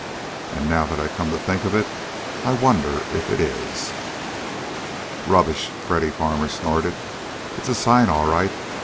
And now that I come to think of it, I wonder if it is." "Rubbish!" Freddy Farmer snorted. "It's a sign, all right.